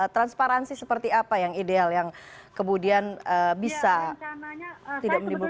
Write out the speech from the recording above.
transparansi seperti apa yang ideal yang kemudian bisa tidak menimbulkan